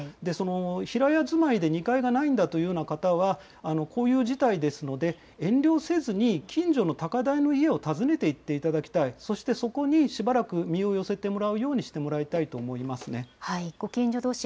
平屋住まいで２階がないんだというような方は、こういう事態ですので、遠慮せずに近所の高台の家を訪ねていっていただきたい、そしてそこにしばらく身を寄せてもらうようにしてもらいたいと思ご近所どうし